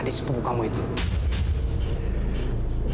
wow bagus banget mas